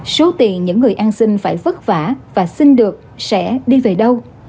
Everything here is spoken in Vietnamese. số tiền những người an sinh phải vất vả và xin được sẽ đi về đâu